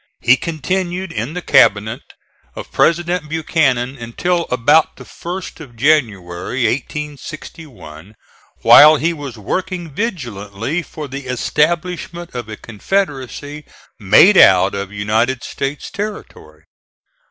He continued in the Cabinet of President Buchanan until about the 1st of January, 1861, while he was working vigilantly for the establishment of a confederacy made out of United States territory.